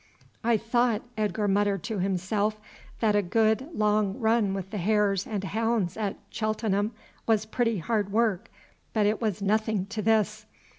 "I thought," Edgar muttered to himself, "that a good long run with the hares and hounds at Cheltenham was pretty hard work, but it was nothing to this.